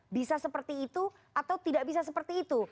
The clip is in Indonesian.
bisa seperti itu atau tidak bisa seperti itu